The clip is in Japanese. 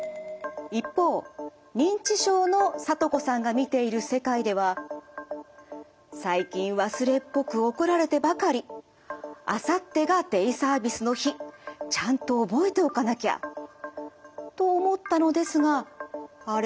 一方認知症のさとこさんが見ている世界では「最近忘れっぽく怒られてばかり。あさってがデイサービスの日。ちゃんと覚えておかなきゃ」と思ったのですが「あれ？